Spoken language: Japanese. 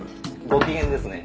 ご機嫌ですね。